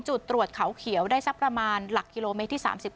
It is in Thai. จุดตรวจเขาเขียวได้สักประมาณหลักกิโลเมตรที่๓๔